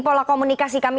pola komunikasi kami